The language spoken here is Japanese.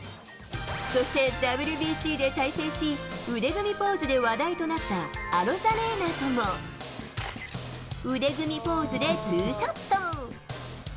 そしてＷＢＣで対戦し、腕組みポーズで話題となったアロザレーナとも、腕組みポーズでツーショット。